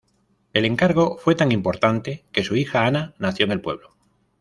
El encargo fue tan importante que su hija Ana nació en el pueblo.